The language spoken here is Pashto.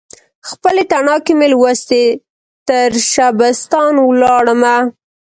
خپلې تڼاکې مې لوستي، ترشبستان ولاړمه